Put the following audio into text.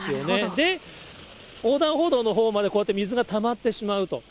で、横断歩道のほうまでこうやって水がたまってしまうと。